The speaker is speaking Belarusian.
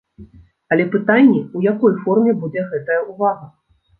Але пытанне, у якой форме будзе гэтая ўвага.